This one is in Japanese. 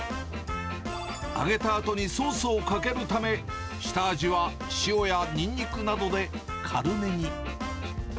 揚げたあとにソースをかけるため、下味は塩やにんにくなどで、軽めに。